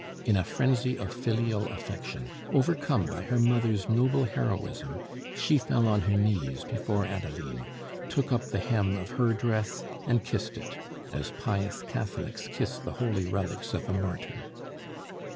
In a frenzy of filial affection, overcome by her mother's noble heroism, she fell on her knees before Adeline, took up the hem of her dress and kissed it, as pious Catholics kiss the holy relics of a martyr.